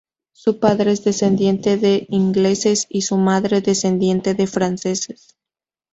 Su padre es descendiente de ingleses y su madre, descendiente de franceses.